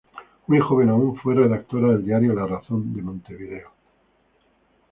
Muy joven aún, fue redactora del diario "La Razón" de Montevideo.